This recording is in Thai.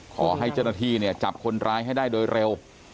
ขอให้เจ้าหน้าที่เนี่ยจับคนร้ายให้ได้โดยเร็ว